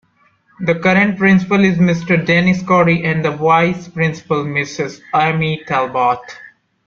The current Principal is Mr. Dennis Corry and the Vice-Principal Ms. Amy Talbot.